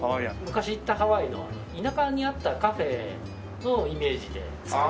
昔行ったハワイの田舎にあったカフェのイメージで作りましたね。